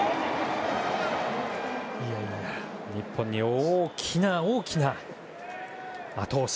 日本に大きな大きな後押し。